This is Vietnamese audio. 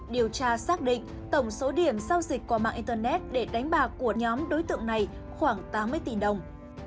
điều tra xác định tổng số điểm giao dịch qua mạng internet để đánh bạc của nhóm đối tượng này khoảng tám mươi tỷ đồng